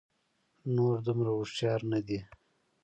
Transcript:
نور دومره هوښيار نه دي